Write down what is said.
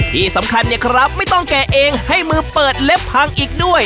ที่สำคัญเนี่ยครับไม่ต้องแกะเองให้มือเปิดเล็บพังอีกด้วย